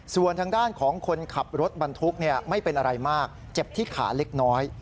ส่วนทางด้านของคนขับรถบรรทุกไม่เป็นอะไรมากเจ็บที่ขาเล็กน้อย